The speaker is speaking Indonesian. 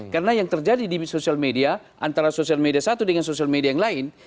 karena yang terjadi di social media antara social media satu dengan social media yang lain